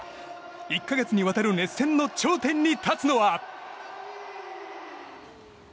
１か月にわたる熱戦の頂点に立つのは。